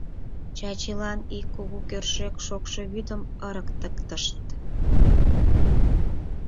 Чачилан ик кугу кӧршӧк шокшо вӱдым ырыктыктышт.